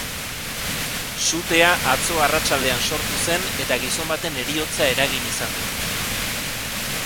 Sutea atzo arratsaldean sortu zen eta gizon baten heriotza eragin izan du.